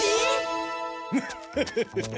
ムフフフフフ。